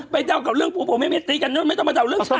ไปเดากับเรื่องผู้ผมไม่มีอัตรีกันนึงไม่ต้องมาเดาเรื่องชาติ